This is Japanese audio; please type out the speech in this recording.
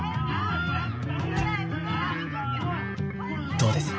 どうです？